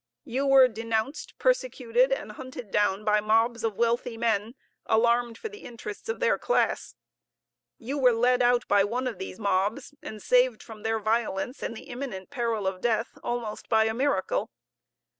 You were denounced, persecuted, and hunted down by mobs of wealthy men alarmed for the interests of their class. You were led out by one of these mobs, and saved from their violence and the imminent peril of death, almost by a miracle.